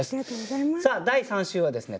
さあ第３週はですね